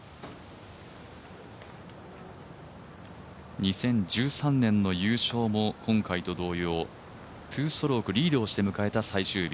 ２０１３年の優勝も今回と同様２ストロークリードして迎えた最終日。